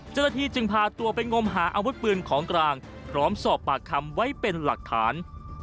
เจ้าหน้าที่จึงพาตัวไปงมหาอาวุธปืนของกลางพร้อมสอบปากคำไว้เป็นหลักฐาน